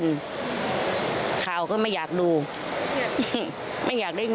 แล้วเก่งไทย